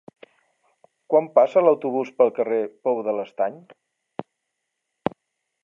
Quan passa l'autobús pel carrer Pou de l'Estany?